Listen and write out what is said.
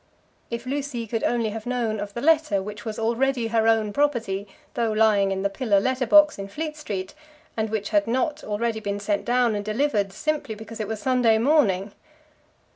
If Lucy could only have known of the letter, which was already her own property though lying in the pillar letter box in Fleet Street, and which had not already been sent down and delivered simply because it was Sunday morning!